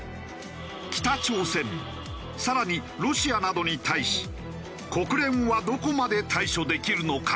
北朝鮮更にロシアなどに対し国連はどこまで対処できるのか？